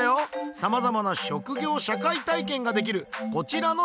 さまざまな職業社会体験ができるこちらの施設。